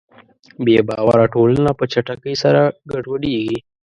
بېباوره ټولنه په چټکۍ سره ګډوډېږي.